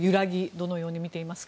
どのように見ていますか。